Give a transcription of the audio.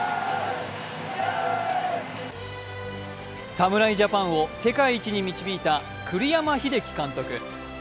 侍ジャパンを世界一に導いた栗山英樹監督。